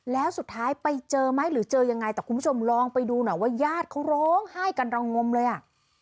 แล้วสุดท้ายไปเจอไหมหรือเจอยังไงแต่คุณผู้ชมลองไปดูหน่อยว่าญาติเขาร้องไห้กันระงมเลยอ่ะ